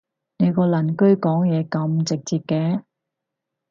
你個鄰居講嘢咁直接嘅？